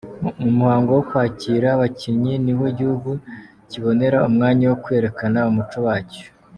Mu muhango wo kwakira abakinnyi niho igihugu kibonera umwanya wo kwerekana umuco wacyo.